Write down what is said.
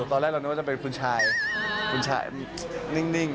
ตอนแรกเรานึกว่าจะเป็นคุณชายคุณชายนิ่ง